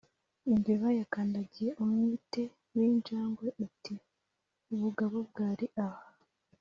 Imbeba yakandagiye umwite w’injangwe iti: ubugabo bwari aha!